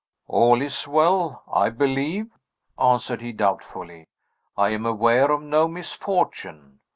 "All is well, I believe," answered he doubtfully. "I am aware of no misfortune.